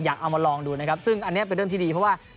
เอามาลองดูนะครับซึ่งอันนี้เป็นเรื่องที่ดีเพราะว่า